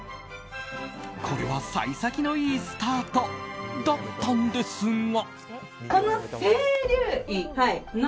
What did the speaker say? これは幸先のいいスタートだったんですが。